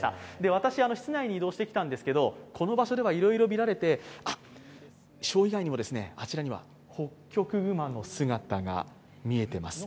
私、室内に移動してきたんですが、この場所ではいろいろ見られてショー以外にもあちらにはホッキョクグマの姿が見えています。